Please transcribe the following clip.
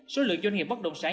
số lượng doanh nghiệp bất động sản